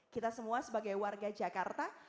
kita semua sebagai warga jakarta